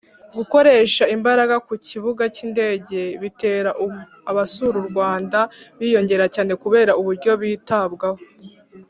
gukoresha imbaraga ku kibuga cy indege bitera abasura u Rwanda biyongera cyane kubera uburyo bitabwaho